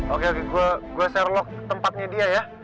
oke oke gue share log tempatnya dia ya